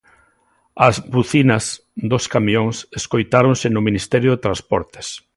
As bucinas dos camións escoitáronse no Ministerio de Transportes.